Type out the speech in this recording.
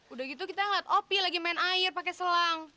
udah gitu kita ngeliat opi lagi main air pakai selang